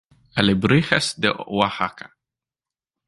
Alebrijes de Oaxaca